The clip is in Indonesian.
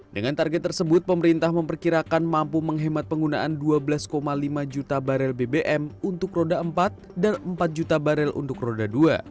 dengan target tersebut pemerintah memperkirakan mampu menghemat penggunaan dua belas lima juta barel bbm untuk roda empat dan empat juta barel untuk roda dua